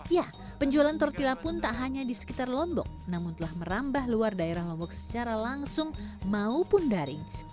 ya penjualan tortilla pun tak hanya di sekitar lombok namun telah merambah luar daerah lombok secara langsung maupun daring